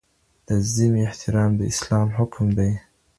د ذمي احترام د اسلام حکم دی.